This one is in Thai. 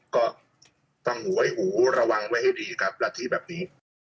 ก็ต้องหวยหูระวังไว้ให้ดีครับรัฐธิแบบนี้